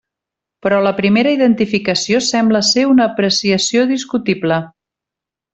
Però la primera identificació sembla ser una apreciació discutible.